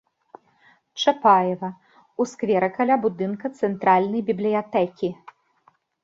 Чапаева, у скверы каля будынка цэнтральнай бібліятэкі.